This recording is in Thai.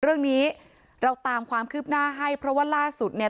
เรื่องนี้เราตามความคืบหน้าให้เพราะว่าล่าสุดเนี่ย